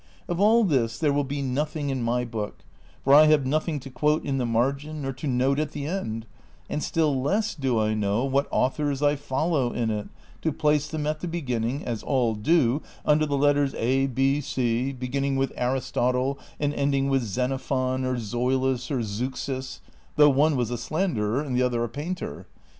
Of all this there will be nothing in my book, for I have nothing to quote in the margin or to note at the end, and still less do I know what authors I follow in it, to place them at the beginning, as all do, under the letters A, K, C, ])eginning with Aristotle and ending with Xenophon, or Zoilus, or Zeuxis, though one was a slanderer and the other a painter.